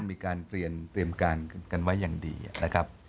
มีการเตรียมการกันไว้อย่างดีนะครับ